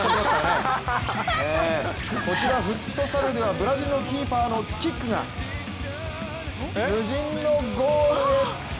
こちら、フットサルではブラジルのキーパーのキックが無人のゴールへ。